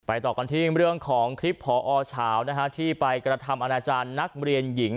ต่อกันที่เรื่องของคลิปพอเฉาที่ไปกระทำอนาจารย์นักเรียนหญิง